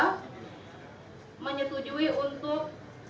hai menyetujui untuk